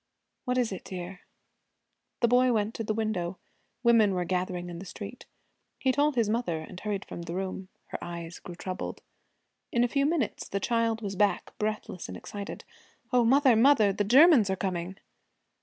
'What is it, dear?' The boy went to the window. Women were gathering in the street. He told his mother and hurried from the room. Her eyes grew troubled. In a few minutes the child was back, breathless and excited. 'O, mother, mother, the Germans are coming!'